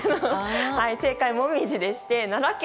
正解はモミジでして奈良県